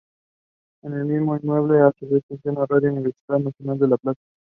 En el mismo inmueble, a su vez, funciona Radio Universidad Nacional de La Plata.